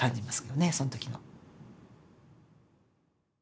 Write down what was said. その時の。